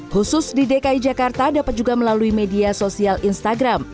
khusus di dki jakarta dapat juga melalui media sosial instagram